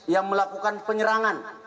yang melakukan penyerangan